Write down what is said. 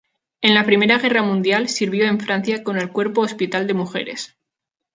En la Primera Guerra Mundial sirvió en Francia con el Cuerpo Hospital de Mujeres.